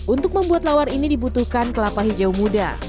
untuk membuat lawar ini dibutuhkan kelapa hijau muda